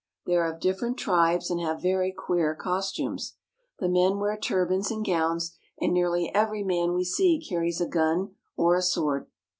They are of different tribes and have very queer costumes. The men wear turbans and gowns, and nearly every man we see carries a gun or a sword.